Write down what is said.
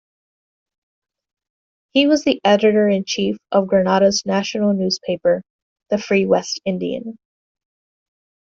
He was the Editor in Chief of Grenada's national newspaper "The Free West Indian".